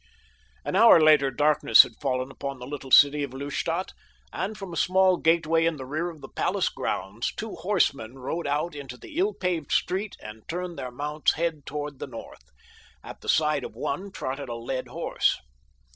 An hour later darkness had fallen upon the little city of Lustadt, and from a small gateway in the rear of the palace grounds two horsemen rode out into the ill paved street and turned their mounts' heads toward the north. At the side of one trotted a led horse.